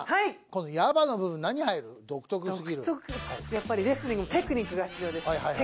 やっぱりレスリングもテクニックが必要です。